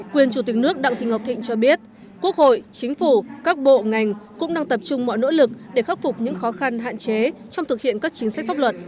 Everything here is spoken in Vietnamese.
quyền chủ tịch nước đặng thị ngọc thịnh cho biết quốc hội chính phủ các bộ ngành cũng đang tập trung mọi nỗ lực để khắc phục những khó khăn hạn chế trong thực hiện các chính sách pháp luật